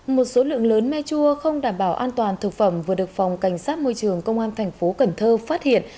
một số lượng lớn me chua không đảm bảo an toàn thực phẩm vừa được phòng cảnh sát môi trường công an thành phố cần thơ phát hiện